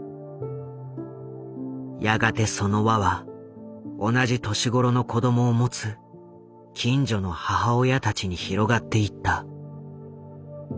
やがてその輪は同じ年頃の子供を持つ近所の母親たちに広がっていった。